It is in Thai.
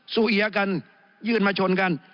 ูเอียกันยื่นมาชนกัน